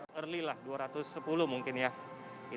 khusus berkentara emanuel